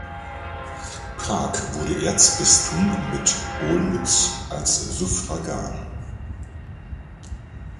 Prag wurde Erzbistum mit Olmütz als Suffragan.